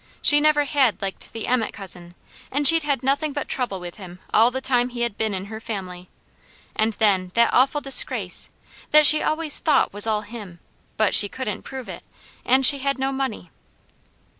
She never had liked the Emmet cousin, and she'd had nothing but trouble with him all the time he had been in her family, and then that awful disgrace, that she always THOUGHT was all him, but she couldn't prove it, and she had no money.